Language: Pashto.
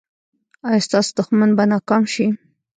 ایا ستاسو دښمن به ناکام شي؟